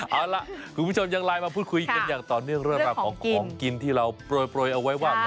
เอาล่ะคุณผู้ชมยังไลน์มาพูดคุยกันอย่างต่อเนื่องเรื่องราวของของกินที่เราโปรยเอาไว้ว่า